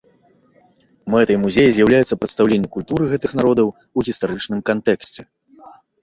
Мэтай музея з'яўляецца прадстаўленне культуры гэтых народаў у гістарычным кантэксце.